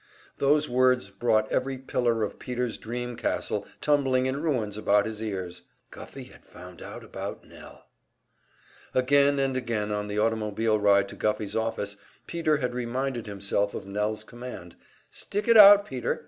Those words brought every pillar of Peter's dream castle tumbling in ruins about his ears. Guffey had found out about Nell! Again and again on the automobile ride to Guffey's office Peter had reminded himself of Nell's command, "Stick it out, Peter!